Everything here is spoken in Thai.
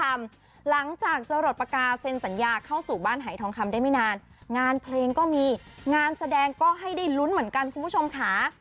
หลังจากจะหลดปากกาเซ็นสัญญาเข้าสู่บ้านหายทองคำได้ไม่นานงานเพลงก็มีงานแสดงก็ให้ได้ลุ้นเหมือนกันคุณผู้ชมค่ะ